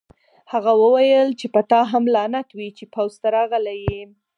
هغه وویل چې په تا هم لعنت وي چې پوځ ته راغلی یې